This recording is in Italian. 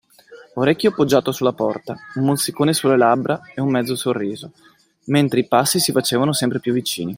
Orecchio poggiato sulla porta, un mozzicone sulle labbra e un mezzo sorriso, mentre i passi si facevano sempre più vicini.